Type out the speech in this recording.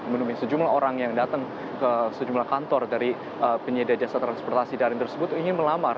menemui sejumlah orang yang datang ke sejumlah kantor dari penyedia jasa transportasi daring tersebut ingin melamar